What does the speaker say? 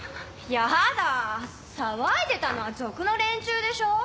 嫌だ騒いでたのは族の連中でしょ？